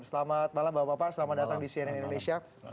selamat malam bapak bapak selamat datang di cnn indonesia